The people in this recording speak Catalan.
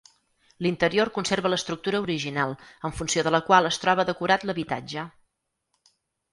L'interior conserva l'estructura original, en funció de la qual es troba decorat l'habitatge.